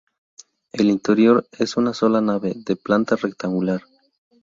El interior es una sola nave, de planta rectangular.